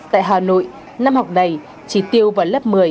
tại hà nội năm học này chỉ tiêu vào lớp một mươi